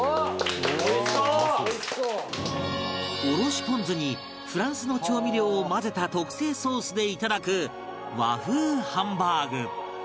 おろしポン酢にフランスの調味料を混ぜた特製ソースでいただく和風ハンバーグ